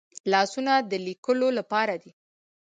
لاسونه د لیکلو لپاره دي